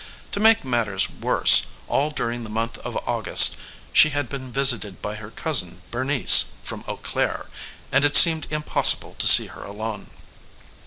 To make matters worse, all during the month of August she had been visited by her cousin Bernice from Eau Claire, and it seemed impossible to see her alone.